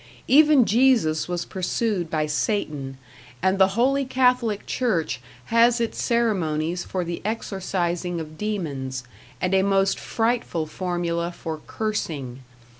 Even Jesus was pursued by Satan, and the Holy Catholic Church has its ceremonies for the exorcising of demons, and a most frightful formula for cursing.